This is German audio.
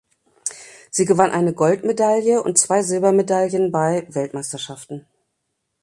Sie gewann eine Goldmedaille und zwei Silbermedaillen bei Weltmeisterschaften.